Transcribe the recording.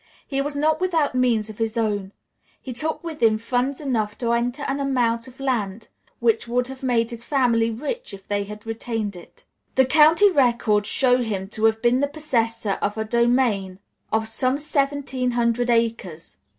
He was not without means of his own. He took with him funds enough to enter an amount of land which would have made his family rich if they had retained it. The county records show him to have been the possessor of a domain of some seventeen hundred acres.